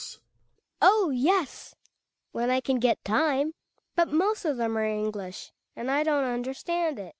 Hedvig. Oh, yes, when I can get time. But most of them are English, and I don't understand it.